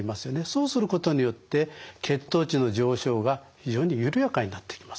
そうすることによって血糖値の上昇が非常に緩やかになっていきます。